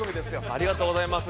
ありがとうございます。